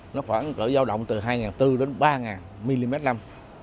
nó khoảng giao động từ hai bốn trăm linh đến ba mm năm